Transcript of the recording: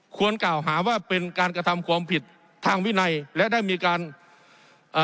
ควรกล่าวหาว่าเป็นการกระทำความผิดทางวินัยและได้มีการเอ่อ